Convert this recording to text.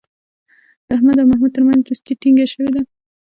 د احمد او محمود ترمنځ دوستي ټینگه شوې ده.